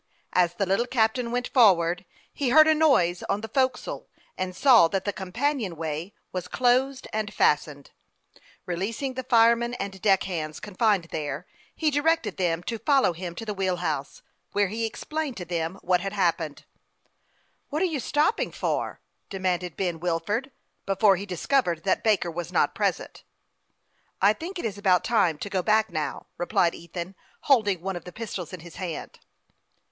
As .the little captain went forward, he heard a noise in the forecastle, and saw that the companion way was closed and fastened. Releasing the firemen and deck hands confined there, he di rected them to follow him to the wheel house, where he explained to them what had happened. "What are you stopping for.?" demanded Ben Wilford, before he discovered that Baker was not present. " I think it is about time to go back, now," replied Ethan, holding one of the pistols in his hand.